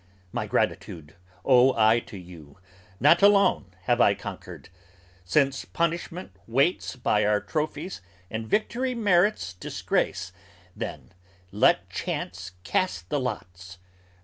My gratitude owe I to you, not alone have I conquered! Since punishment waits by our trophies and victory merits Disgrace, then let Chance cast the lots.